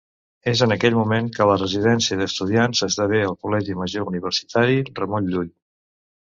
És en aquell moment que la Residència d’Estudiants esdevé el Col·legi Major Universitari Ramon Llull.